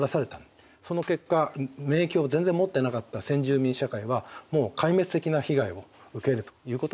その結果免疫を全然持ってなかった先住民社会はもう壊滅的な被害を受けるということになってしまったんです。